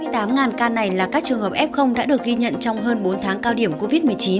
trường hợp f đã được ghi nhận trong hơn bốn tháng cao điểm covid một mươi chín